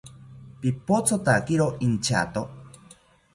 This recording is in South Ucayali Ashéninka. Pipothotakiro inchato